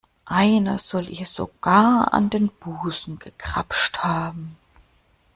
Einer soll ihr sogar an den Busen gegrapscht haben.